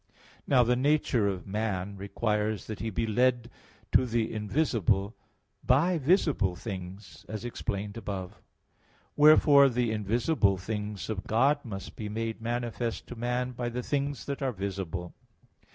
Now the nature of man requires that he be led to the invisible by visible things, as explained above (Q. 12, A. 12). Wherefore the invisible things of God must be made manifest to man by the things that are visible.